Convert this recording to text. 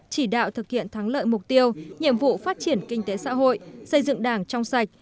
chỉ đạo thực hiện thắng lợi mục tiêu nhiệm vụ phát triển kinh tế xã hội xây dựng đảng trong sạch